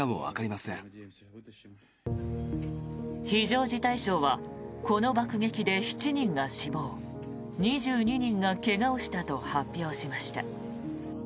非常事態省はこの爆撃で７人が死亡２２人が怪我をしたと発表しました。